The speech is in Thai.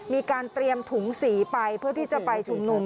มีการเตรียมถุงสีไปเพื่อที่จะไปชุมนุม